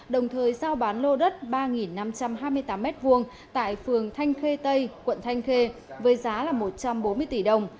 đồng thời giao bán lô đất ba năm trăm hai mươi tám m hai tại phường thanh khê tây quận thanh khê với giá một trăm bốn mươi tỷ đồng